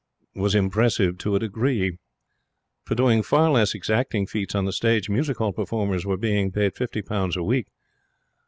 was impressive to a degree. For doing far less exacting feats on the stage music hall performers were being paid fifty pounds a week.